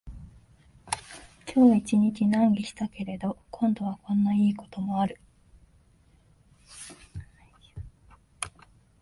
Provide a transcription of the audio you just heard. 今日一日難儀したけれど、今度はこんないいこともある